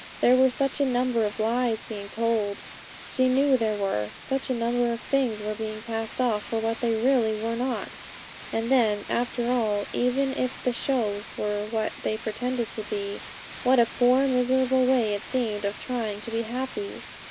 There were such a number of lies being told she knew there were; such a number of things were being passed off for what they really were not. And then, after all, even if the shows were what they pretended to be, what a poor miserable way it seemed of trying to be happy!